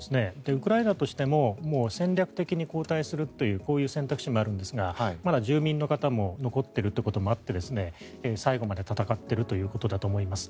ウクライナとしてももう戦略的に後退するというこういう選択肢もあるんですがまだ住民の方も残っていることもあって最後まで戦っているということだと思います。